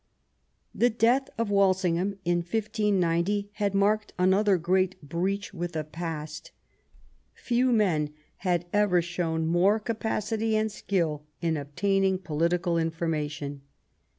The death of Walsingham, in 1590, had marked another great breach with the past. Few men have ever shown more capacity and skill in obtaining political information.